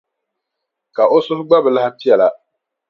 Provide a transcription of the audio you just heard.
Ka o suhu gba bi lahi piɛla.